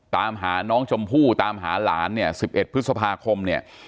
ตามหาน้องชมพู่ตามหาหลานเนี่ย๑๑พฤษภาคมเนี่ย